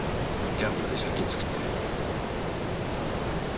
ギャンブルで借金作って。